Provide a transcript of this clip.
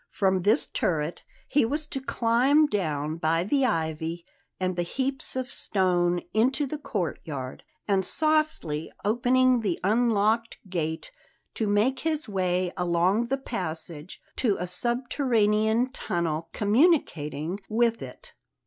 From this turret he was to climb down by the ivy and the heaps of stone into the courtyard; and, softly opening the unlocked gate, to make his way along the passage to a subterranean tunnel communicating with it.